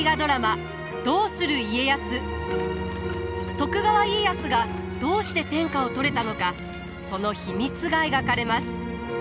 徳川家康がどうして天下を取れたのかその秘密が描かれます。